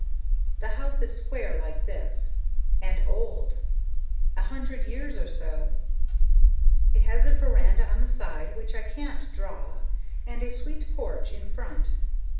The house is square like this: And OLD. A hundred years or so. It has a veranda on the side which I can't draw and a sweet porch in front.